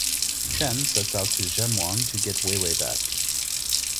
Chen sets out to Zhenyuan to get Weiwei back.